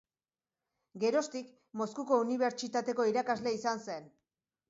Geroztik Moskuko unibertsitateko irakasle izan zen.